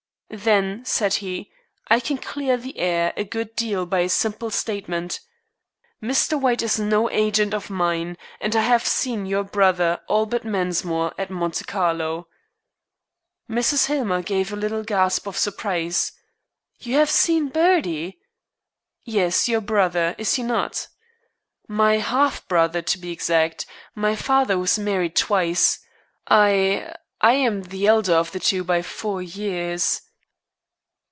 "Then," said he, "I can clear the air a good deal by a simple statement. Mr. White is no agent of mine, and I have seen your brother, Albert Mensmore, at Monte Carlo." Mrs. Hillmer gave a little gasp of surprise. "You have seen Bertie?" "Yes; your brother, is he not?" "My half brother, to be exact. My father was married twice. I I am the elder of the two by four years."